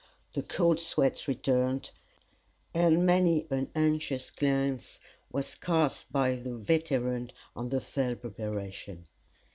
The cold sweat returned, and many an anxious glance was cast by the veteran on the fell preparations.